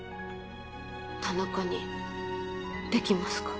田中にできますか？